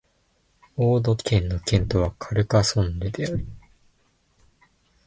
オード県の県都はカルカソンヌである